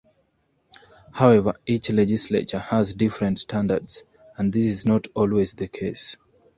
However, each legislature has different standards, and this is not always the case.